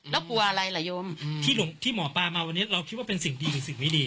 แล้วกลัวอะไรล่ะยมที่หมอปลามาวันนี้เราคิดว่าเป็นสิ่งดีหรือสิ่งไม่ดี